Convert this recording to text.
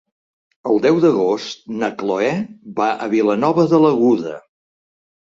El deu d'agost na Chloé va a Vilanova de l'Aguda.